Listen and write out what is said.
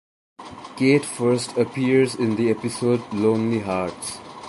Kate first appears in the episode "Lonely Hearts".